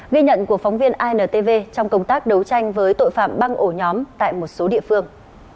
ghi nhận của phóng viên intv trong công tác đấu tranh với tội phạm băng ổ nhóm tại một số địa phương